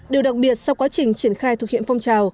điều đặc biệt sau quá trình triển khai thực hiện phong trào